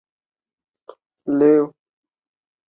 然后将浓缩的热用作常规电站的热源。